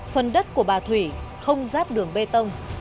phần đất của bà thủy không giáp đường bê tông